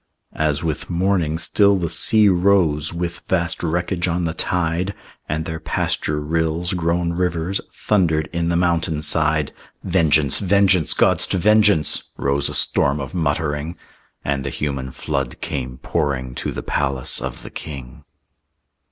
As with morning still the sea rose With vast wreckage on the tide, And their pasture rills, grown rivers, Thundered in the mountain side, "Vengeance, vengeance, gods to vengeance!" Rose a storm of muttering; And the human flood came pouring To the palace of the king.